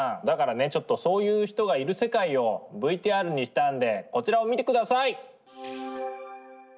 だからねちょっとそういう人がいる世界をＶＴＲにしたんでこちらを見てください！